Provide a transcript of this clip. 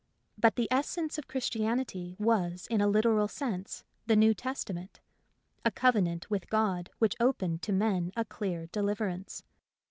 But the essence of Christianity was in a literal sense the New Testament — a covenant with God which opened to men a clear deliverance.